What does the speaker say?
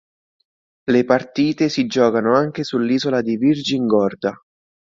Le partite si giocando anche sull'isola di Virgin Gorda.